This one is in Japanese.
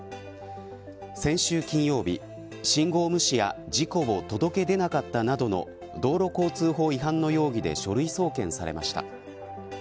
先週金曜日信号無視や事故を届け出なかったなどの道路交通法違反の容疑で書類送検されました。